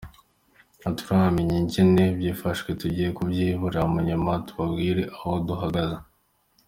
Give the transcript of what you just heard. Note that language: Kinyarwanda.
Ntituramenya ingene vyifashe, tugiye kuvyirabira, munyuma tubabwire aho duhagaze.